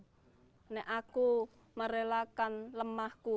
ini aku merelakan lemahku